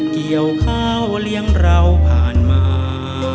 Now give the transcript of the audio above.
เกี่ยวข้าวเลี้ยงเราผ่านมา